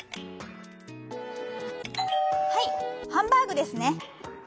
「はいハンバーグですね」。